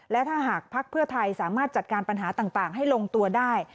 และถ้าหากภักดิ์เพื่อไทยสามารถจัดการปัญหาต่างให้ลงตัวได้